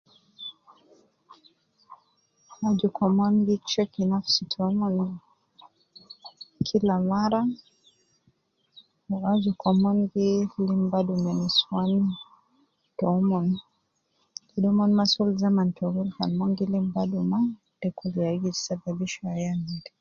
Aju ke omon gi checki nafsi tomon, kila mara, wu aju ke omon gi lim badu me nusuwan ,tomon, kede mon ma sul zaman towil kan mon gi lim badu ma, de kul ya gi sababisha ayan